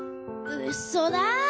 うっそだ。